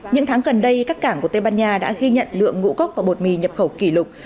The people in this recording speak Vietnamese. những tháng gần đây các cảng của tây ban nha đã ghi nhận lượng ngũ cốc và bột mì nhập khẩu kỷ lục